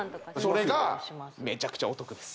それがめちゃくちゃお得です